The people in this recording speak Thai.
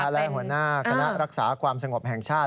และหัวหน้าคณะรักษาความสงบแห่งชาติ